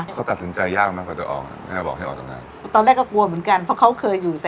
แสงสีเสียงอะไรอย่างงี้ใช่ไหมครับ